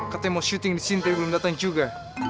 katanya mau syuting di sini belum datang juga